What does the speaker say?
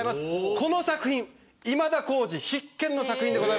この作品今田耕司、必見の作品です。